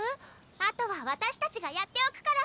あとは私たちがやっておくから。